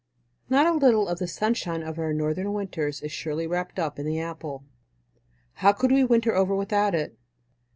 Not a little of the sunshine of our northern winters is surely wrapped up in the apple. How could we winter over without it!